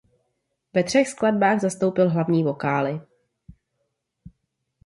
Ve třech skladbách zastoupil hlavní vokály.